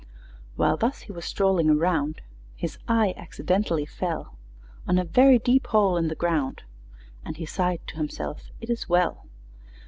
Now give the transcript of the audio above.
While thus he was strolling around, His eye accidentally fell On a very deep hole in the ground, And he sighed to himself, "It is well!"